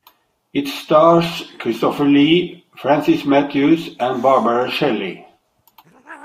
It stars Christopher Lee, Francis Matthews, and Barbara Shelley.